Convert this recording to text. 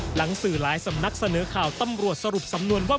หลังสื่อหลายสำนักเสนอข่าวตำรวจสรุปสำนวนว่า